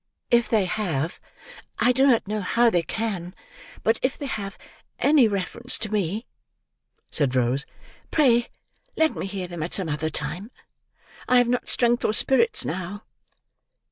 "If they have—I do not know how they can, but if they have—any reference to me," said Rose, "pray let me hear them at some other time. I have not strength or spirits now."